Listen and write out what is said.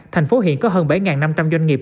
thành phố hiện có hơn bảy năm trăm linh doanh nghiệp